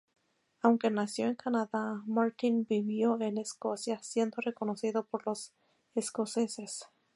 Aunque nació en Canadá, Martyn vivió en Escocia siendo reconocido por los escoceses.